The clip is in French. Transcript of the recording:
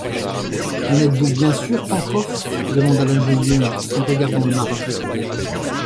En êtes-vous bien sûr, Pencroff? demanda l’ingénieur, en regardant le marin.